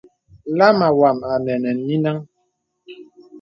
Lāma wām anə̀ nè nìnəŋ.